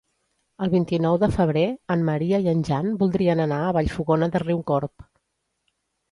El vint-i-nou de febrer en Maria i en Jan voldrien anar a Vallfogona de Riucorb.